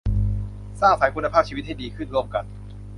สร้างสรรค์คุณภาพชีวิตให้ดีขึ้นร่วมกัน